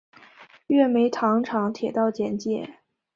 月眉糖厂铁道简介